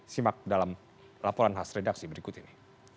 simak dalam laporan khas redaksi berikut ini